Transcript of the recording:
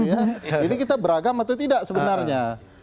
jadi kita beragam atau tidak sebenarnya